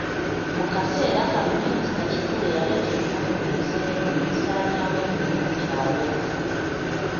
Mu kaseera kano Minisita Kibuule yaleeta ebimotoka ebisenda ne bisaanyaawo ebirime ku kyalo.